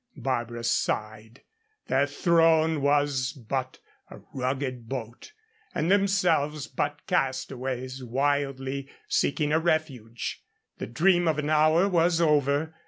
Barbara sighed. Their throne was but a rugged boat and themselves but castaways wildly seeking a refuge. The dream of an hour was over.